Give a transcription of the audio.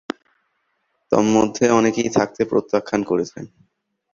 তন্মধ্যে অনেকেই থাকতে প্রত্যাখ্যান করছে।